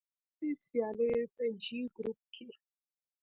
د غوراوي سیالیو په جې ګروپ کې